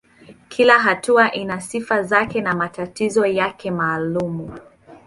Kila hatua ina sifa zake na matatizo yake maalumu.